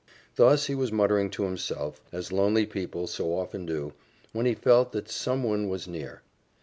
Thus he was muttering to himself, as lonely people so often do, when he felt that someone was near.